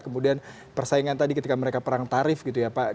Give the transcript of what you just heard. kemudian persaingan tadi ketika mereka perang tarif gitu ya pak